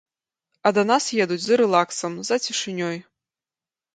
А да нас едуць за рэлаксам, за цішынёй.